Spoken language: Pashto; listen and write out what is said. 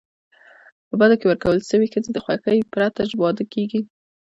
په بدو کي ورکول سوي ښځي د خوښی پرته واده کيږي.